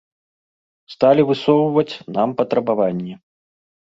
Сталі высоўваць нам патрабаванні.